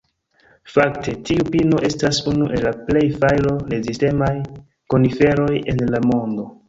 Fakte, tiu pino estas unu el la plej fajro-rezistemaj koniferoj en la mondo.